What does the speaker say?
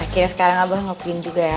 akhirnya sekarang abah mau pergi juga ya